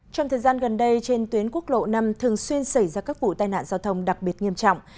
trong thời gian gần đây trên tuyến quốc lộ năm thường xuyên xảy ra các vụ tai nạn giao thông đặc biệt nghiêm trọng